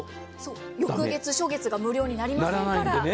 翌月、初月が無料になりませんから。